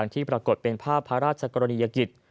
ที่ปรากฏเป็นภาพพระราชกรณียกิจ